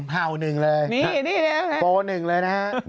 เผ่าหนึ่งเลยโปส์หนึ่งเลยนะครับ